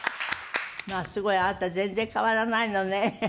まあすごいあなた全然変わらないのね。